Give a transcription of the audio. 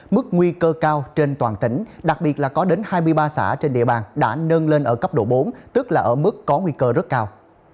mức nguy cơ cao trên toàn tỉnh đặc biệt là có đến hai mươi ba xã trên địa bàn đã nâng lên ở cấp độ bốn tức là ở mức có nguy cơ rất cao